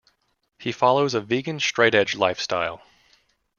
He follows a vegan straight edge lifestyle.